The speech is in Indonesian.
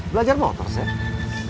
belajar motor seh